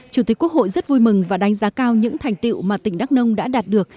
chủ tịch quốc hội rất vui mừng và đánh giá cao những thành tiệu mà tỉnh đắk nông đã đạt được